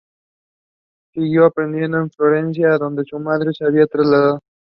Siguió aprendiendo en Florencia, adonde su madre se había trasladado.